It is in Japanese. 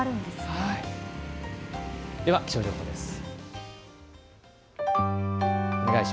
では気象情報です。